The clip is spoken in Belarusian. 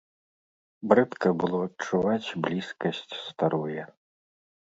Брыдка было адчуваць блізкасць старое.